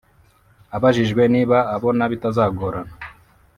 Abajijwe niba abona bitazagorana